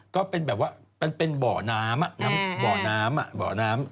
ก็เป็นแบบว่าเป็นบ่อน้ำน้ำ